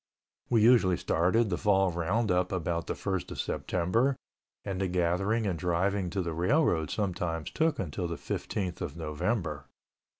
We usually started the fall roundup about the first of September and the gathering and driving to the railroad sometimes took until the 15th of November.